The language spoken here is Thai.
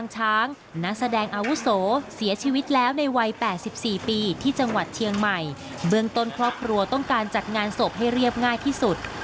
ให้เรียบง่ายที่สุด